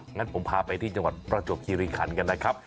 งั้นผมพาไปที่จังหวัดประจวบคิริขันกันนะครับ